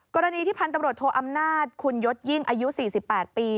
กรณีที่พันธุ์ตำรวจโทอำนาจคุณยศยิ่งอายุ๔๘ปี